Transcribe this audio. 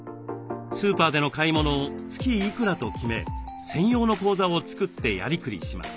スーパーでの買い物を「月いくら」と決め専用の口座を作ってやりくりします。